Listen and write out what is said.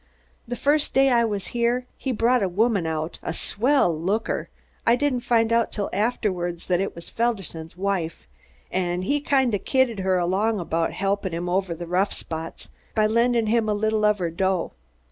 The first day I was here, he brought a woman out, a swell looker I didn't find out till afterwards that it was Felderson's wife an' he kinda kidded her along about helpin' him over the rough spots by lendin' him a little of her dough.